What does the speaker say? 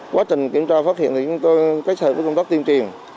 quá trình kiểm tra phát hiện thì chúng tôi kết hợp với công tác tiêm truyền